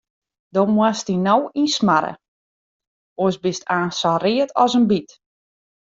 Do moatst dy no ynsmarre, oars bist aanst sa read as in byt.